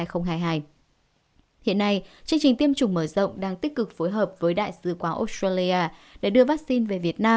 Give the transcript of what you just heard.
trong tháng ba năm hai nghìn hai mươi hai chương trình tiêm chủng mở rộng sẽ tiến hành tập huấn chuyên môn triển khai tiêm vaccine phòng covid một mươi chín